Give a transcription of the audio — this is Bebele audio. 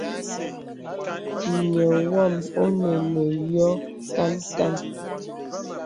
Nyɔ̄ wàm ɔ̀nə nə v yɔ̄ kan kan.